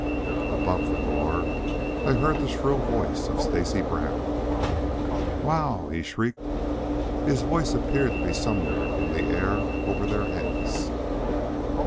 Above the roar they heard the shrill voice of Stacy Brown. "W o o ow!" he shrieked. His voice appeared to be somewhere in the air over their heads.